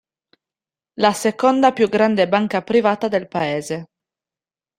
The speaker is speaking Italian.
La seconda più grande banca privata del paese.